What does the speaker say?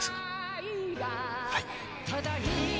はい。